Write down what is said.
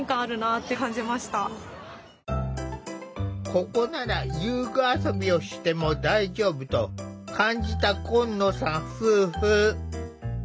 ここなら遊具遊びをしても大丈夫と感じた今野さん夫婦。